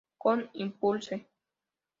Con Impulse!